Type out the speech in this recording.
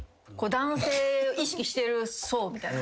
男性を意識してそうみたいな。